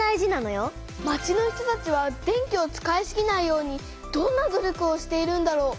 町の人たちは電気を使いすぎないようにどんな努力をしているんだろう？